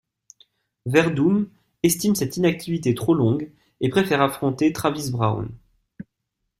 Werdum estime cette inactivité trop longue et préfère affronter Travis Browne.